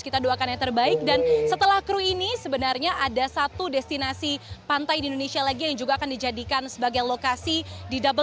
kita doakan yang terbaik dan setelah kru ini sebenarnya ada satu destinasi pantai di indonesia lagi yang juga akan dijadikan sebagai lokasi di wsl